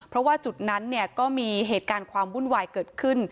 เพราะว่าจุดนั้นก็มีเหตุการณ์ความวุ่นวายเกิดขึ้น